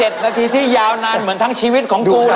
เป็น๗นาทีที่ยาวนานเหมือนทั้งชีวิตของกูเลยครับ